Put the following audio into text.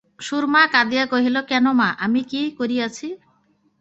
সুরমা কাঁদিয়া কহিল, কেন মা, আমি কী করিয়াছি?